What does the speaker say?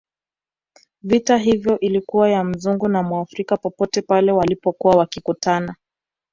Vita iyo ilikuwa ya Mzungu na Mwafrika popote pale walipokuwa wakikutana